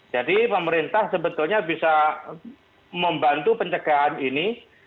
jadi pemerintah sebetulnya bisa membantu pencegahan ini